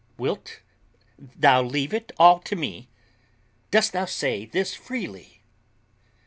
"Wilt thou leave it all to me? Dost thou say this freely?"